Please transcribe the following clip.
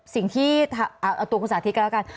สิ่งที่เอาตัวคุณสาธิตก็แล้วกัน